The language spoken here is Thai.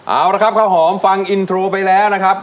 เอาละครับข้าวหอมฟังอินโทรไปแล้วนะครับ